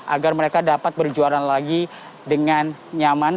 agar mereka dapat berjuaraan lagi dengan nyaman